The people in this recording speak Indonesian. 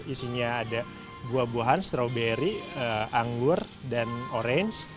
isinya ada buah buahan stroberi anggur dan orange